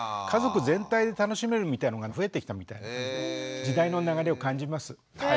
家族全体で楽しめるみたいのが増えてきたみたいな感じで時代の流れを感じます。